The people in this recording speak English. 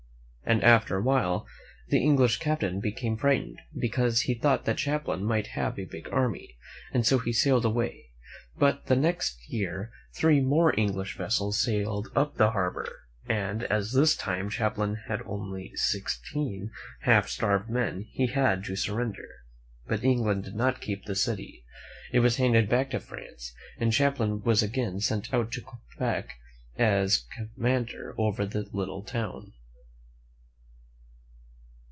And after a while, the English cap tain became frightened because he thought ji that Champlain might have a big army, and so he sailed away; but the next year three more English vessels sailed up the harbor, and as this time Champlain had only sixteen half starved V/i v^ 0' THE MEN WHO FOUND AMERICA laaiDy/Ui *\. mm z^^ men, he had to surrender. But England did not long keep the city. It was handed back to France, and Champlain was again sent out to Quebec as commander over the little town.